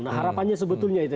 nah harapannya sebetulnya itu